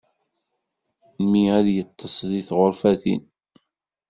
Mmi ad yeṭṭes deg tɣurfatin.